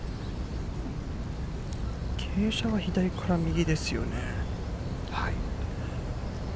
傾斜は左から右ですよね。